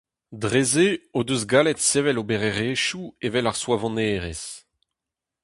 Dre-se o deus gallet sevel obererezhioù evel ar soavonerezh.